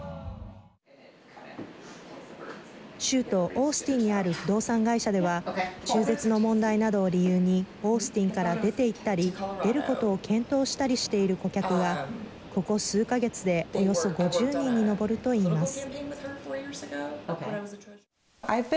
州都オースティンにある不動産会社では中絶の問題などを理由にオースティンから出ていったり出ることを検討したりしている顧客がここ数か月でおよそ５０人に上るといいます。